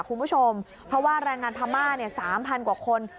คุณผู้ชมเพราะว่าแรงงานพม่า๓๐๐กว่าคน